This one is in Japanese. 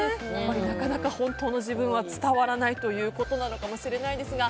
なかなか本当の自分は伝わらないということなのかもしれないですが。